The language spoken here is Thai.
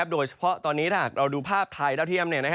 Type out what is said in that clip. โดยเฉพาะตอนนี้ถ้าหากเราดูภาพไทยดาวเทียม